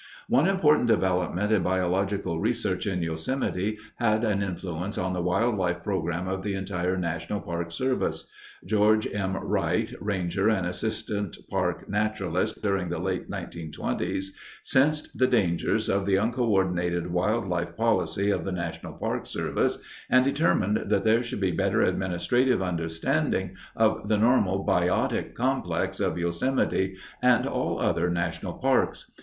One important development in biological research in Yosemite had an influence on the wildlife program of the entire National Park Service. George M. Wright, ranger and Assistant Park Naturalist, during the late 1920's sensed the dangers of the uncoördinated wildlife policy of the National Park Service and determined that there should be better administrative understanding of the normal biotic complex of Yosemite and all other national parks.